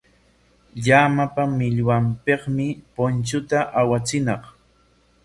Llamapa millwanpikmi punchunta awachiñaq.